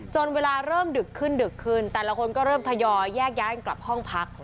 เวลาเริ่มดึกขึ้นดึกขึ้นแต่ละคนก็เริ่มทยอยแยกย้ายกันกลับห้องพัก